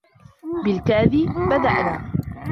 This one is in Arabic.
بالكاد بدأنا.